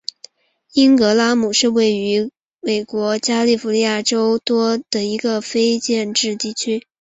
因格拉姆是位于美国加利福尼亚州门多西诺县的一个非建制地区。